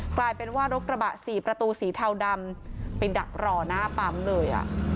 กลายเป็นว่ารถกระบะสี่ประตูสีเทาดำไปดักรอหน้าปั๊มเลย